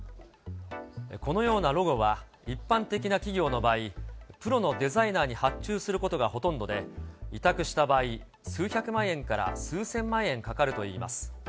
このようなロゴは、一般的な企業の場合、プロのデザイナーに発注することがほとんどで、委託した場合、数百万円から数千万円かかるといいます。